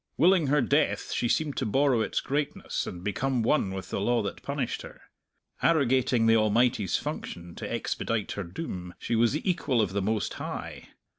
Willing her death, she seemed to borrow its greatness and become one with the law that punished her. Arrogating the Almighty's function to expedite her doom, she was the equal of the Most High.